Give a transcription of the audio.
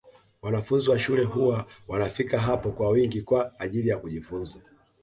Wanafunzi wa shule huwa wanafika hapo kwa wingi kwa ajili ya kujifunza